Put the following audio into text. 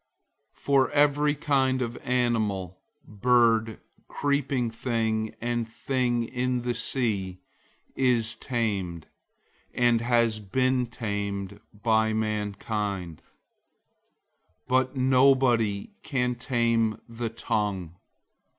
{or, Hell} 003:007 For every kind of animal, bird, creeping thing, and thing in the sea, is tamed, and has been tamed by mankind. 003:008 But nobody can tame the tongue.